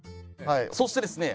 そしてですね